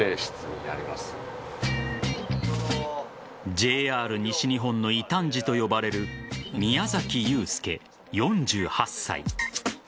ＪＲ西日本の異端児と呼ばれる宮崎祐丞、４８歳。